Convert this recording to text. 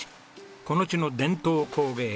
この地の伝統工芸